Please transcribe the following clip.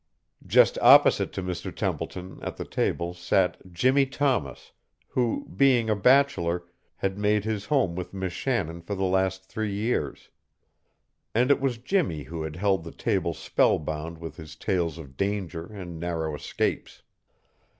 Just opposite to Mr. Templeton at the table sat Jimmie Thomas, who, being a bachelor, had made his home with Miss Shannon for the last three years. And it was Jimmie who had held the table spell bound with his tales of danger and narrow escapes.